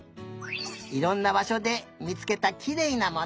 いろんなばしょでみつけたきれいなもの。